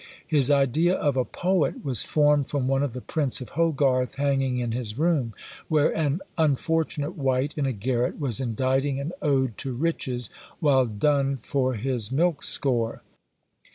His idea of a poet was formed from one of the prints of Hogarth hanging in his room, where an unfortunate wight in a garret was inditing an ode to riches, while dunned for his milk score.